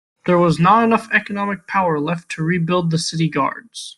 There was not enough economic power left to rebuild the city guards.